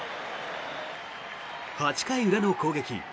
８回裏の攻撃。